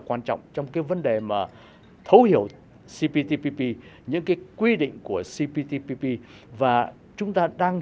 quan trọng trong cái vấn đề mà thấu hiểu cptpp những cái quy định của cptpp và chúng ta đang